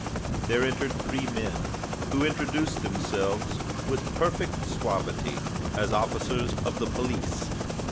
There entered three men, who introduced themselves, with perfect suavity, as officers of the police.